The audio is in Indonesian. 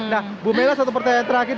nah bu mela satu pertanyaan terakhir